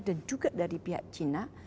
dan juga dari pihak china